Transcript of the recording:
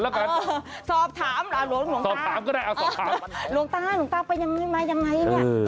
รถนดำอะทีนึงท่านตกใจเลยทีนี้